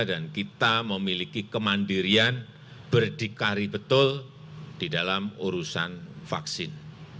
dan kita memiliki kemandirian berdikari betul di dalam urusan vaksin